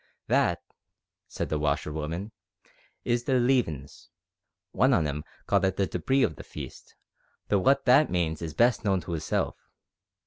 "That," said the washer woman, "is their leavin's. One on 'em called it the debree of the feast, though what that means is best known to hisself.